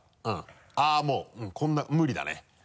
あぁもうこんな無理だね。